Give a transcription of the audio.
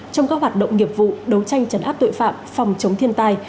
trong các hoạt động nghiệp vụ đấu tranh chấn áp tội phạm phòng chống thiên tai